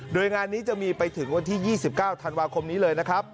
โดยงานนี้จะมีไปถึงวันที่๒๙ธันวาคมนี้เลยนะครับ